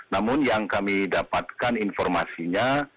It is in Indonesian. namun yang kami dapatkan informasinya